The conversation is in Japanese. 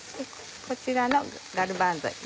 こちらのガルバンゾ